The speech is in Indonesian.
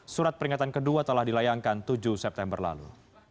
surat peringatan kedua telah dilayangkan tujuh september lalu